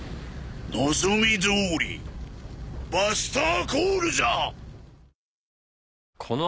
望みどおりバスターコールじゃ！